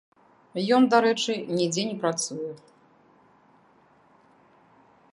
Ён, дарэчы, нідзе не працуе.